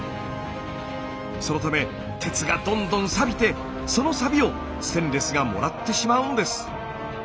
そのため鉄がどんどんサビてそのサビをステンレスがもらってしまうんです。